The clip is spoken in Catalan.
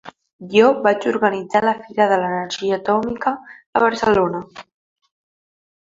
Jo vaig organitzar la fira de l’energia atòmica a Barcelona.